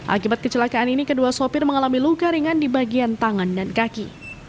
akibat kecelakaan ini kedua sopir mengalami luka ringan di bagian tangan dan kaki